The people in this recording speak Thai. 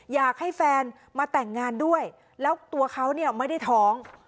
อยากให้แฟนมาแต่งงานด้วยแล้วตัวเขาเนี่ยไม่ได้ท้อง